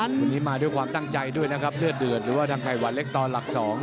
วันนี้มาด้วยความตั้งใจด้วยนะครับเลือดเดือดหรือว่าทางไข่หวานเล็กต่อหลัก๒